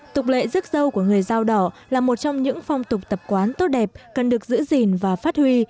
tục lệ rước dâu của người dao đỏ là một trong những phong tục tập quán tốt đẹp cần được giữ gìn và phát huy